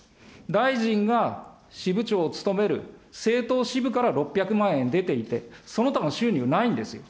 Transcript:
大臣が支部長を務める政党支部から６００万円出ていて、その他の収入はないんですよ。